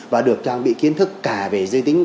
và được trang bị kiến thức cả về giới tính